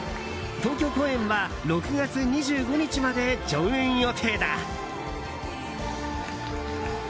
東京公演は６月２５日まで上演予定だ。